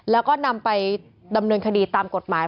แล้วก็นำไปดำเนินคดีตามกฎหมาย